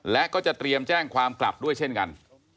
และก็จะเตรียมแจ้งความกลับด้วยเช่นกัน